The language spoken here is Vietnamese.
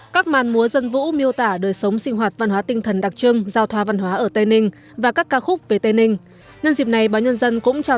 các hoạt động kinh doanh nội dung số